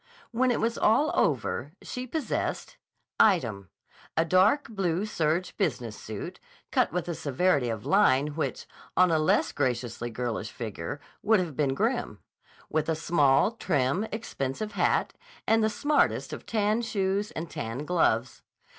When it was all over she possessed: Item: A dark blue serge business suit, cut with a severity of line which on a less graciously girlish figure would have been grim, with a small, trim, expensive hat and the smartest of tan shoes and tan gloves.